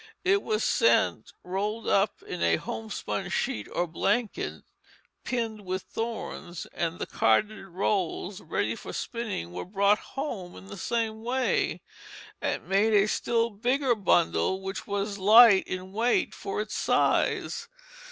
It was sent rolled up in a homespun sheet or blanket pinned with thorns; and the carded rolls ready for spinning were brought home in the same way, and made a still bigger bundle which was light in weight for its size.